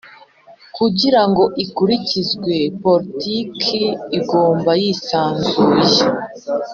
Kugira ngo ikurikizwe politiki igomba yisanzuye